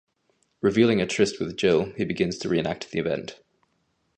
Revealing a tryst with Jill, he begins to re-enact the event.